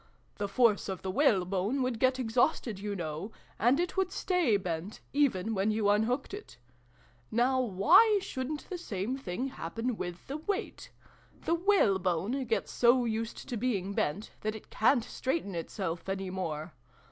The force of the whalebone would get exhausted, you know, and it would stay bent, even when you unhooked it. Now, why shouldn't the same thing happen with the weight ? The whalebone gets so used to being bent, that it ca'n't straighten itself any more.